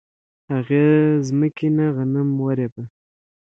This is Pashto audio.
هغې ځمکې نه غنم ورېبه